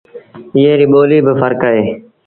ايئي ريٚ ٻوليٚ با ڦرڪ اهي